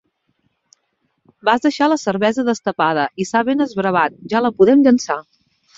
Vas deixar la cervesa destapada i s'ha ben esbravat; ja la podem llençar.